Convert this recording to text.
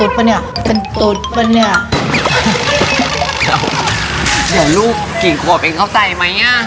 เดี๋ยวลูกริ่งขวบเองเข้าใจไหม